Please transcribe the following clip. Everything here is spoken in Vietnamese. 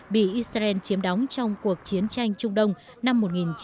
bị israel chiếm đóng trong cuộc chiến tranh trung đông năm một nghìn chín trăm sáu mươi bảy